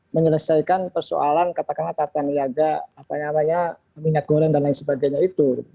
menyelesaikan persoalan katakanlah tata niaga minyak goreng dan lain sebagainya itu